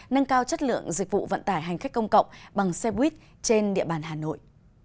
nâng cao chất lượng dịch vụ vận tải hành khách công cộng bằng xe buýt trên địa bàn hà nội